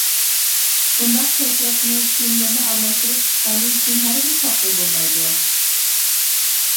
بۇنداق كەيپىياتنى كىيىملىرىنى ئالماشتۇرۇپ چىققاندىن كىيىن ھەرگىز تاپقىلى بولمايدۇ.